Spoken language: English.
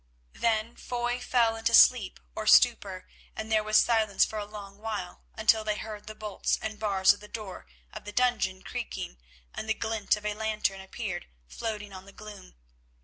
Then Foy fell into sleep or stupor, and there was silence for a long while, until they heard the bolts and bars of the door of the dungeon creaking, and the glint of a lantern appeared floating on the gloom.